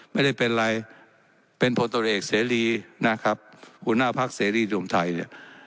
ไม่ได้เป็นอะไรเป็นพลตัวเอกเสรีนะครับหุ่นหน้าพรรคเสรีรวมไทยเนี่ย